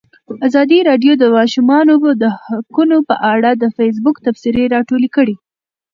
ازادي راډیو د د ماشومانو حقونه په اړه د فیسبوک تبصرې راټولې کړي.